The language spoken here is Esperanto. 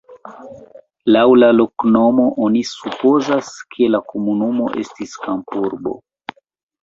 Laŭ la loknomo oni supozas, ke la komunumo estis kampurbo.